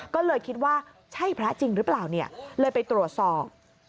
ก็เลยคิดว่าใช่พระจริงหรือเปล่าเนี่ยเลยไปตรวจสอบ